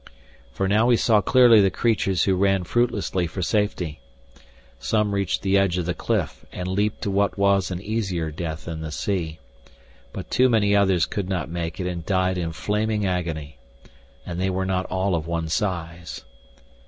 For now he saw clearly the creatures who ran fruitlessly for safety. Some reached the edge of the cliff and leaped to what was an easier death in the sea. But too many others could not make it and died in flaming agony. And they were not all of one size!